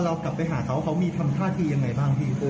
เรากลับไปหาเขาเขามีทำท่าทียังไงบ้างพี่